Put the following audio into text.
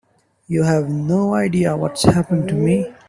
You have no idea what's happened to me.